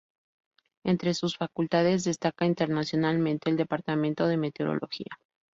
Entre sus facultades destaca internacionalmente el departamento de meteorología.